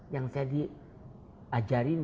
yang saya diajarin